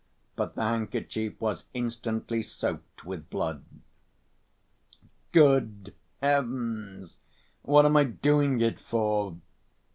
But the handkerchief was instantly soaked with blood. "Good heavens! what am I doing it for?"